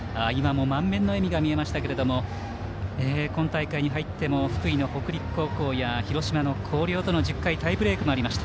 満面の笑みが見えましたけど今大会に入っても福井の北陸高校や広島の広陵との１０回タイブレークもありました。